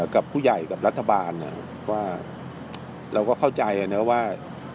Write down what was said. กับผู้ใหญ่กับรัฐบาลว่าเราก็เข้าใจนะว่า